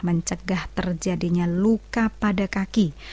mencegah terjadinya luka pada kaki